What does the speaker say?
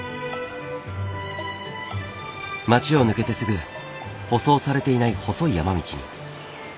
町を抜けてすぐ舗装されていない細い山道に。